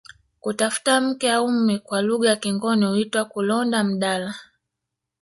Kutafuta mke au mume kwa lugha ya kingoni huitwa kulonda mdala